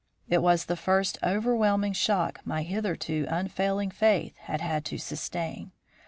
"It was the first overwhelming shock my hitherto unfailing faith had had to sustain.